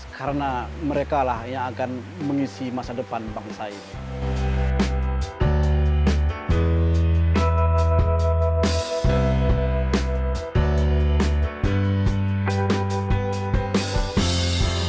karena mereka lah yang akan mengisi masa depan bangsa ini